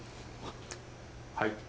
はい。